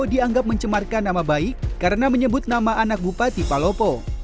dianggap mencemarkan nama baik karena menyebut nama anak bupati palopo